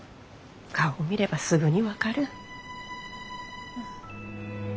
顔を見ればすぐに分かる。